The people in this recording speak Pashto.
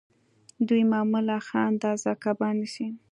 دوی معمولاً ښه اندازه کبان نیسي